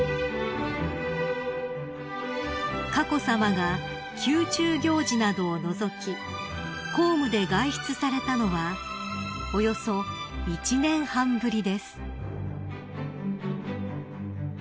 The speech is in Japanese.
［佳子さまが宮中行事などを除き公務で外出されたのはおよそ１年半ぶりです］